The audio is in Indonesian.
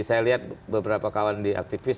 saya lihat beberapa kawan di aktivis